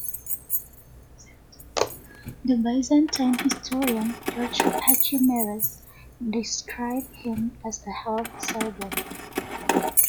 The Byzantine historian, George Pachymeres, described him as a "half-Serbian".